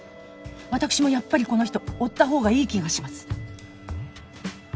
私もやっぱりこの人追ったほうがいい気がします。